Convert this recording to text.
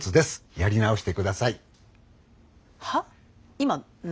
やり直して下さい。